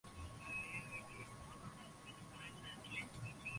katika gazeti la mtanzania mbunge mbaheleni atimuliwa bungeni nchini kenya